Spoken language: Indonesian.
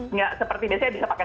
nggak seperti biasanya bisa pakai